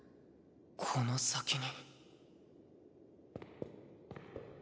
この先に。